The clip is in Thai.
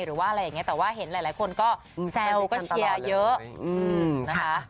หรือว่าอะไรอย่างนี้แต่ว่าเห็นหลายคนก็แซวก็เชียร์เยอะนะคะ